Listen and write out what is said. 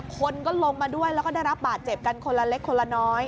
คนก็ลงมาด้วยแล้วก็ได้รับบาดเจ็บกันคนละเล็กคนละน้อย